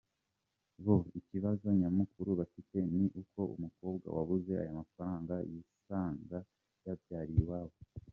Bo ikibazo nyamukuru bafite ni uko umukobwa wabuze aya mafaranga, yisanga yabyariye iwabo.